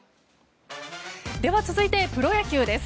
では、続いてプロ野球です。